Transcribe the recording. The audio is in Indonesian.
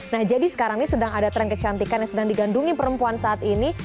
nah jadi sekarang ini sedang ada tren kecantikan yang sedang digandungi perempuan saat ini